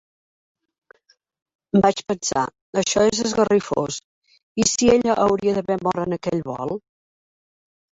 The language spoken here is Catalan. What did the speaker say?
Vaig pensar, això és esgarrifós, ¿i si ella hauria d'haver mort en aquell vol?